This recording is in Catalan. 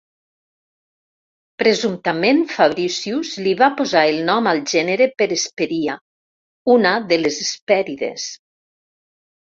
Presumptament Fabricius li va posar el nom al gènere per Hesperia, una de les Hespèrides.